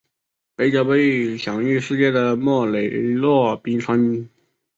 北角为享誉世界的莫雷诺冰川。